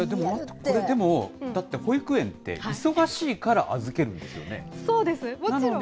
これでも、保育園って、忙しいから預けるんですよね？